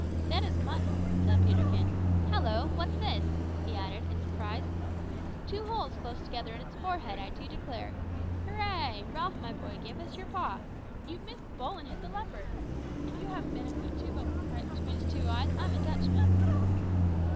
"Dead as mutton," said Peterkin. "Hallo! what's this?" he added in surprise. "Two holes close together in its forehead, I do declare! Hooray! Ralph, my boy, give us your paw! You've missed the bull and hit the leopard! If you haven't been and put two bullets right between its two eyes, I'm a Dutchman!"